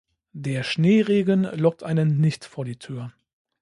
Der Schneeregen lockt einen nicht vor die Tür.